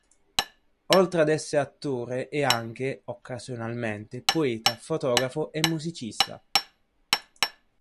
Oltre ad essere attore è anche, occasionalmente, poeta, fotografo e musicista.